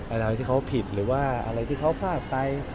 อะไรที่เขาผิดหรือว่าอะไรที่เขาพลาดไป